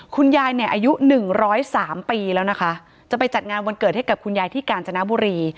คุณยายเนี่ยอายุ๑๐๓ปีแล้วนะคะจะไปจัดงานวันเกิดให้กับคุณยายที่กาญจนบุรี